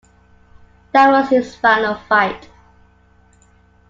That was his final fight.